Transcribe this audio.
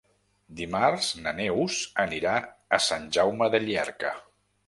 Dimarts na Neus anirà a Sant Jaume de Llierca.